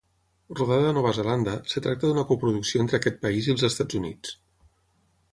Rodada a Nova Zelanda, es tracta d'una coproducció entre aquest país i els Estats Units.